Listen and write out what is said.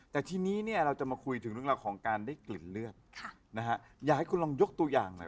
แต่ทีนี้เนี่ยเราจะมาคุยถึงเรื่องราวของการได้กลิ่นเลือดค่ะนะฮะอยากให้คุณลองยกตัวอย่างหน่อย